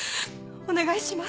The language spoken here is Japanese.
お願いします。